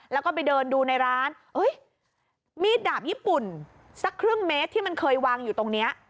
แล้วก็ไปเดินดูในร้านมีดดาบญี่ปุ่นสักครึ่งเมตรที่มันเคยวางอยู่ตรงนี้